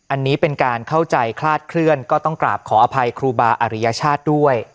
อันนี้เป็นการเข้าใจคลาดเคลื่อนก็ต้องกราบขออภัยครูบาอริยชาติด้วย